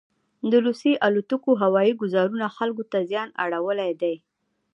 دروسیې الوتکوهوایي ګوزارونوخلکو ته زیان اړولی دی.